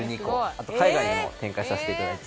あと海外にも展開させていただいてて。